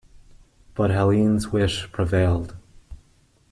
But Helene's wish prevailed.